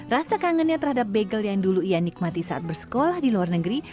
rasa kangennya terhadap bagel yang dulu ia nikmati saat bersekolah di luar negeri